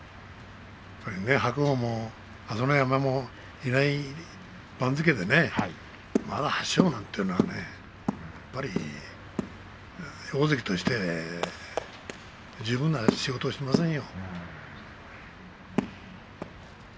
白鵬も朝乃山もいない番付でねまだ８勝なんていうのはやっぱり大関として十分な仕事をしていませんよ。